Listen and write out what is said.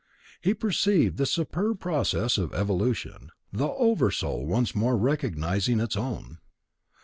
He perceived the superb process of evolution, the Oversoul once more recognizing its own.